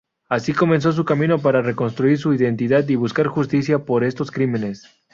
Así comenzó su camino para reconstruir su identidad y buscar justicia por estos crímenes.